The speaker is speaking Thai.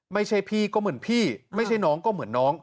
ไม่ใช่พี่ก็เหมือนพี่ไม่ใช่น้องก็เหมือนน้อง